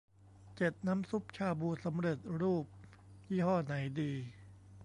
เจ็ด น้ำซุปชาบูสำเร็จรูป ยี่ห้อไหนดี